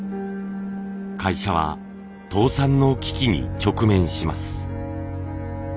会社は倒産の危機に直面します。